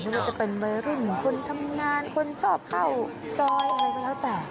ไม่ว่าจะเป็นวัยรุ่นคนทำงานคนชอบเข้าซอยอะไรก็แล้วแต่